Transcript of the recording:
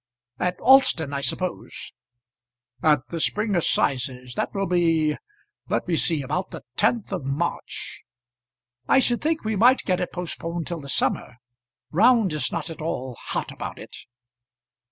"At Alston, I suppose." "At the Spring assizes. That will be . Let me see; about the 10th of March." "I should think we might get it postponed till the summer. Round is not at all hot about it."